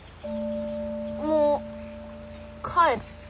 もう帰る。